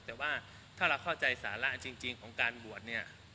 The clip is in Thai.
แต่ว่าถ้าเราเข้าใจสาระจริงของการบวชเนี่ย